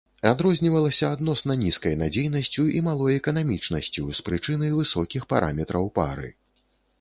Адрознівалася адносна нізкай надзейнасцю і малой эканамічнасцю, з прычыны высокіх параметраў пары.